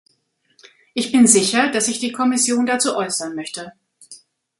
Ich bin sicher, dass sich die Kommission dazu äußern möchte.